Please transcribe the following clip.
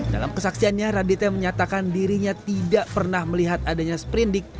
dalam kesaksiannya radite menyatakan dirinya tidak pernah melihat adanya sprindik